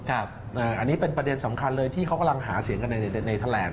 อันนี้เป็นประเด็นสำคัญเลยที่เขากำลังหาเสียงกันในแถลง